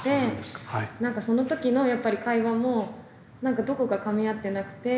なんかその時のやっぱり会話もなんかどこかかみ合ってなくて。